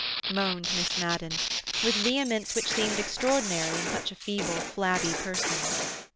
moaned Miss Madden, with vehemence which seemed extraordinary in such a feeble, flabby person.